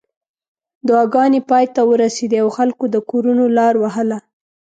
دعاګانې پای ته ورسېدې او خلکو د کورونو لار وهله.